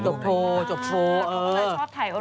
จบโทรจบโทร